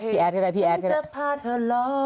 พี่แอดก็ได้พี่แอดก็ได้